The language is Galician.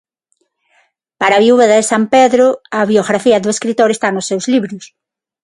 Para a viúva de Sampedro, a biografía do escritor está nos seus libros.